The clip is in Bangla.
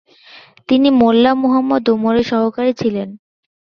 তিনি মোল্লা মুহাম্মদ ওমরের সহকারী ছিলেন।